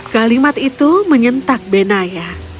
kalimat itu menyentak benayal